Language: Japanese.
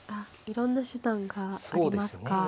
いろんな手段がありますか。